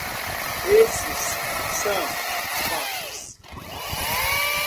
Esses são fatos.